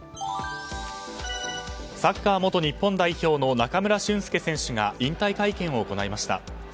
サッカー元日本代表の中村俊輔選手が引退会見を行いました。